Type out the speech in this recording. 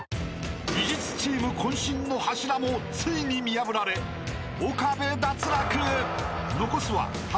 ［美術チーム渾身の柱もついに見破られ岡部脱落！］